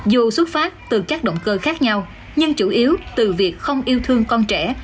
dù xuất phát từ các động cơ khác nhau nhưng chủ yếu từ việc không yêu thương con trẻ